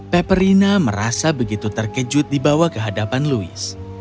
peperina merasa begitu terkejut dibawa kehadapan louis